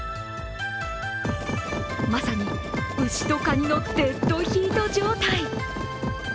まさに、牛とかにのデッドヒート状態。